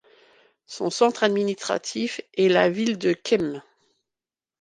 Son centre administratif est la ville de Kem.